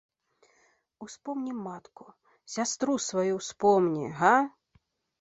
Успомні матку, сястру сваю ўспомні, га!